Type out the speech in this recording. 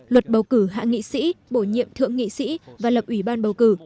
luật bầu cử hạ nghị sĩ bổ nhiệm thượng nghị sĩ và lập ủy ban bầu cử